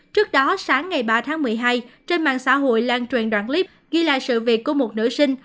trước đó sáng ngày ba tháng một mươi hai trên mạng xã hội lan truyền đoạn clip ghi lại sự việc của một nữ sinh